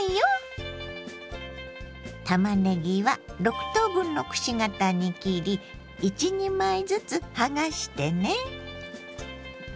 たまねぎは６等分のくし形に切り１２枚ずつはがしてね。